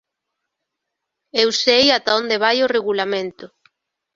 Eu sei ata onde vai o Regulamento.